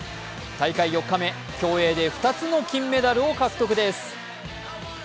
大会４日目、競泳で２つの金メダルを獲得です。